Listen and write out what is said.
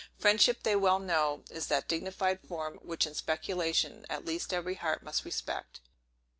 Friendship, they well know, is that dignified form, which, in speculation at least every heart must respect.